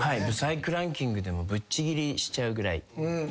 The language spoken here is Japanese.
ブサイクランキングでもぶっちぎりしちゃうぐらい。